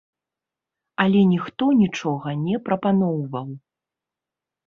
Але ніхто нічога не прапаноўваў.